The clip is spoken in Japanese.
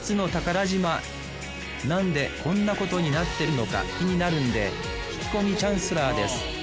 なんでこんなことになってるのか気になるんで聞き込みチャンスラーです